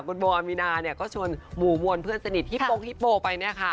คุณโมอามีนาก็ชวนหมู่มวลเพื่อนสนิทฮิปโป้งฮิปโป้งไป